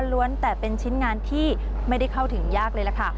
ล้วนแต่เป็นชิ้นงานที่ไม่ได้เข้าถึงยากเลยล่ะค่ะ